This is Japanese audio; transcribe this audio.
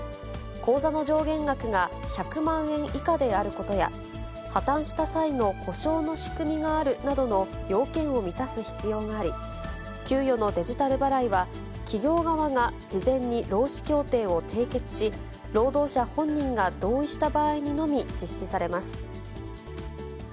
口座の上限額が１００万円以下であることや、破綻した際の保証の仕組みがあるなどの要件を満たす必要があり、給与のデジタル払いは、企業側が事前に労使協定を締結し、労働者本人が同意した場合にのみ実施されます。